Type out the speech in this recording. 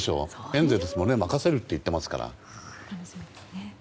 エンゼルスも任せるって言ってますから。